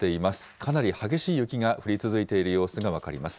かなり激しい雪が降り続いている様子が分かります。